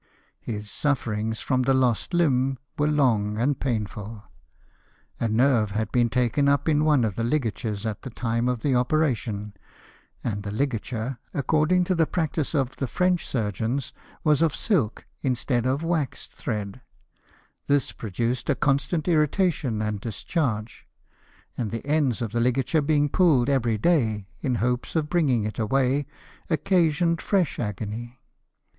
His sufferings from the lost hmb were long and painful. A nerve had been taken up in one of the ligatures at the time of the operation ; and the liga ture, according to the practice of the French surgeons, was of silk, instead of waxed thread ; this produced a constant irritation and discharge ; and the ends of the ligature being pulled every day, in hopes of bringing it away, occasioned fresh agony.